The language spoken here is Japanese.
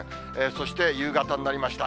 そして夕方になりました。